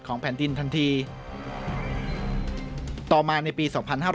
แผ่นดินทันทีต่อมาในปี๒๕๕๘